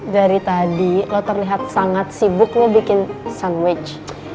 dari tadi lo terlihat sangat sibuk lo bikin sandwich